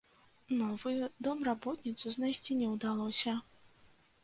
Новую домработніцу знайсці не ўдалося.